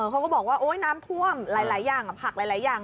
เขาก็บอกว่าโอ๊ยน้ำท่วมหลายอย่างผักหลายอย่าง